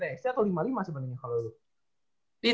di tiga x tiga atau lima puluh lima sebenarnya kalau lu